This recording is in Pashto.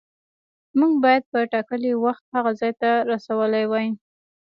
موږ باید په ټاکلي وخت هغه ځای ته رسولي وای.